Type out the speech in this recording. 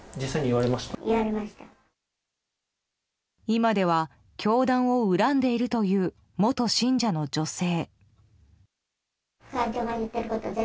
今では教団を恨んでいるという元信者の女性。